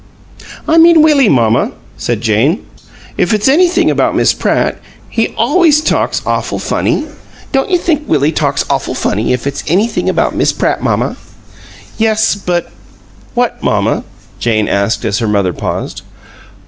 "I mean Willie, mamma," said Jane. "If it's anything about Miss Pratt. he always talks awful funny. Don't you think Willie talks awful funny if it's anything about Miss Pratt, mamma?" "Yes, but " "What, mamma?" Jane asked as her mother paused.